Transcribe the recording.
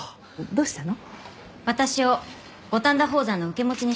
どうしたの？